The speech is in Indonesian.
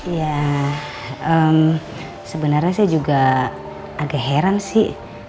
ya sebenarnya saya juga agak heran sih